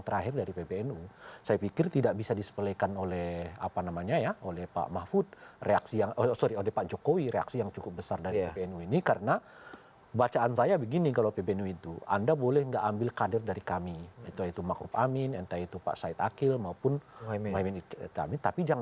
jelang penutupan pendaftaran